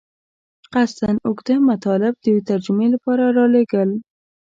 قصداً اوږده مطالب د ترجمې لپاره رالېږل.